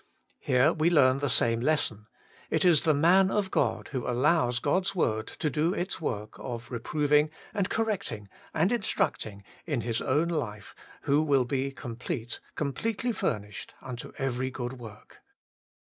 Here we learn the same lesson — it is the man of God who al lows God's word to do its work of reprov ing and correcting and instructing in his own life who will be complete, completely furnished unto every good zvork.